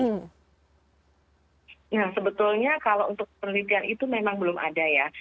nah sebetulnya kalau untuk penelitian itu memang belum ada ya